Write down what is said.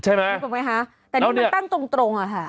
ใช่ไหมนึกถึงไหมฮะแต่นี่มันตั้งตรงตรงอ่ะค่ะ